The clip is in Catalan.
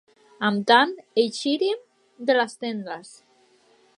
Amb tant, eixírem de les tendes.